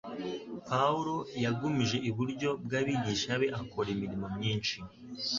Pawulo yagumije iburyo bw'abigisha be akora imirimo myinshi